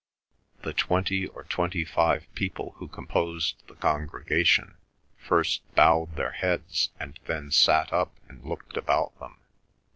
The twenty or twenty five people who composed the congregation first bowed their heads and then sat up and looked about them.